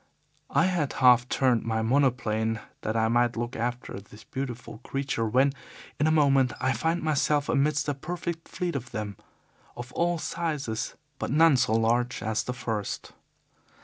"I had half turned my monoplane, that I might look after this beautiful creature, when, in a moment, I found myself amidst a perfect fleet of them, of all sizes, but none so large as the first.